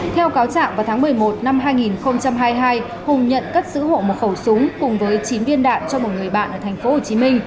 theo cáo trạng vào tháng một mươi một năm hai nghìn hai mươi hai hùng nhận cất giữ hộ một khẩu súng cùng với chín viên đạn cho một người bạn ở tp hcm